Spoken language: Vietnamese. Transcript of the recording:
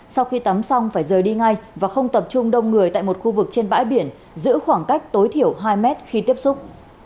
sau khi tắm xong phải rời đi ngay và không tập trung đông người tại một khu vực trên bãi biển giữ khoảng cách tối thiểu hai mét khi tiếp xúc